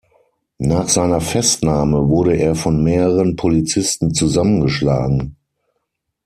Nach seiner Festnahme wurde er von mehreren Polizisten zusammengeschlagen.